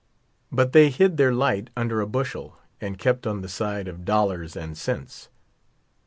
But they hid their light under a bushel and kept on the side of dollars 16 and cents.